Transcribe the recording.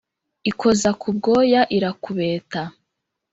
Ikoza ku bwoya irakubeta,